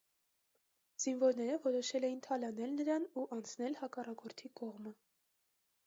Զինվորները որոշել էին թալանել նրան ու անցնել հակառակորդի կողմը։